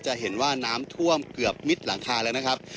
จะเห็นว่าน้ำท่วมเกือบมิดหลังคาแล้วนะครับ